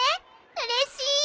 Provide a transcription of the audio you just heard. うれしい。